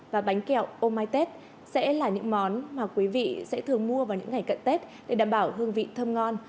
và bánh kẹo ô mai tết sẽ là những món mà quý vị sẽ thường mua vào những ngày cận tết để đảm bảo hương vị thơm ngon